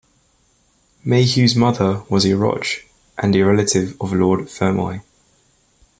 Mayhew's mother was a Roche and a relative of Lord Fermoy.